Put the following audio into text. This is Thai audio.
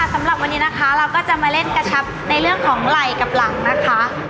สำหรับวันนี้นะคะเราก็จะมาเล่นกระชับในเรื่องของไหล่กับหลังนะคะ